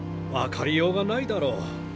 分かりようがないだろ。